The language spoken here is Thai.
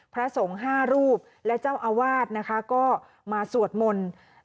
พระสงฆ์๕รูปและเจ้าอาวาสนะคะก็มาสวดมนต์